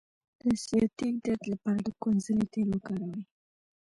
د سیاتیک درد لپاره د کونځلې تېل وکاروئ